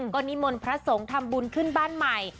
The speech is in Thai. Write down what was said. ก็นิมนต์พระสงฆ์ทำบุญขึ้นบ้านใหม่